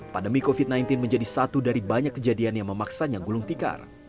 pandemi covid sembilan belas menjadi satu dari banyak kejadian yang memaksanya gulung tikar